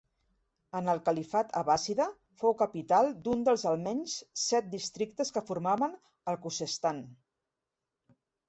En el califat abbàssida fou capital d'un dels almenys set districtes que formaven el Khuzestan.